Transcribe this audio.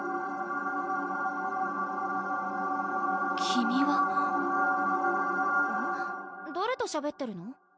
君は誰としゃべってるの？